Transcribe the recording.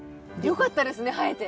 よかったですね生えて。